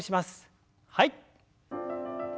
はい。